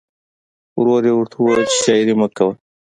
ورور یې ورته وویل چې شاعري مه کوه